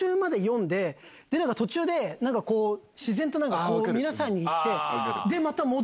途中でこう自然と皆さんに行って。